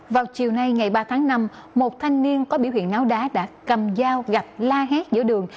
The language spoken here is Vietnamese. vào chiều nay ngày ba tháng năm một thanh niên có biểu hiện ngáo đá đã cầm dao gặp la hét giữa đường